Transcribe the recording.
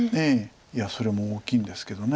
いやそれも大きいんですけど。